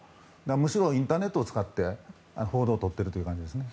むしろインターネットを使って情報をとっている感じですね。